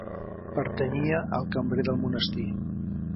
Pertanyia al cambrer del monestir.